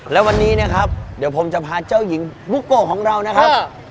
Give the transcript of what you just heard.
แล้ววันนี้นะครับเดี๋ยวผมจะพาเจ้าหญิงบุโกของเรานะครับ